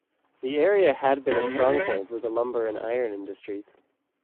The area had been a stronghold with the lumber and iron industries.